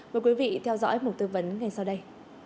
mời quý vị theo dõi một tư vấn ngay sau đây